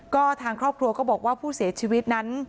ก็ทางครอบครัวก็บอกว่าผู้เสียชีวิตนั้น